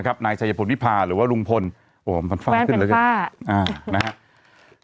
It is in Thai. นะครับนายชัยภูมิวิภาหรือว่าลุงพลโอ้มันฟ้าขึ้นแล้วกันอ่านะครับ